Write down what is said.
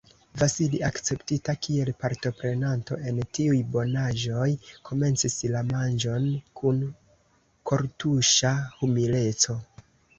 Vasili, akceptita kiel partoprenanto en tiuj bonaĵoj, komencis la manĝon kun kortuŝa humileco.